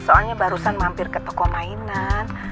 soalnya barusan mampir ke toko mainan